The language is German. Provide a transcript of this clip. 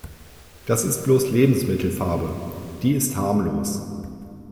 Das ist bloß Lebensmittelfarbe, die ist harmlos.